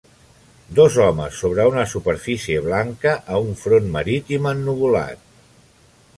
Dos homes sobre una superfície blanca a un front marítim ennuvolat